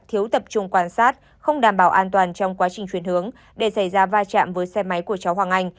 thiếu tập trung quan sát không đảm bảo an toàn trong quá trình chuyển hướng để xảy ra va chạm với xe máy của cháu hoàng anh